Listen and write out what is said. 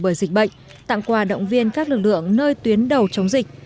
bởi dịch bệnh tặng quà động viên các lực lượng nơi tuyến đầu chống dịch